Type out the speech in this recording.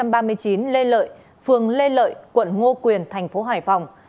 phương lê lợi phường lê lợi quận ngo quyền tp hải phòng